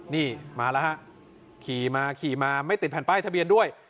นี่มาแล้วฮะขี่มาขี่มาไม่ติดแผ่นป้ายทะเบียนด้วย